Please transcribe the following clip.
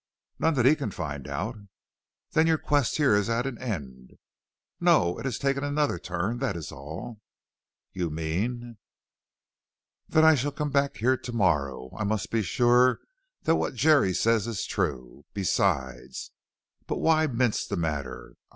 "Not that he can find out." "Then your quest here is at an end?" "No, it has taken another turn, that is all." "You mean " "That I shall come back here to morrow. I must be sure that what Jerry says is true. Besides But why mince the matter?